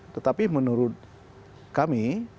tetapi menurut kami